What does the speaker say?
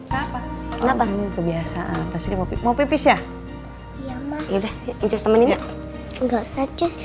kenapa kebiasaan pasti mau pipis ya ya udah